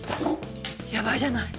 やばいじゃない！